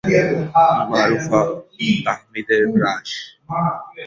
Moses, কোথায় ছিলে তুমি?